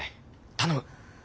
頼む。